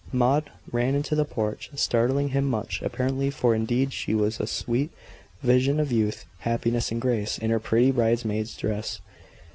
Maud ran into the porch; startling him much, apparently; for indeed she was a sweet vision of youth, happiness, and grace, in her pretty bridesmaid's dress.